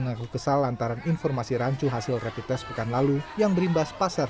mengaku kesal antara informasi rancu hasil rapid test pekan lalu yang berimbas pasar